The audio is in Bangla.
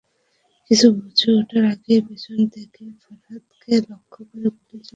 কিছু বুঝে ওঠার আগেই পেছন থেকে ফরহাদকে লক্ষ্য করে গুলি চালান তিনি।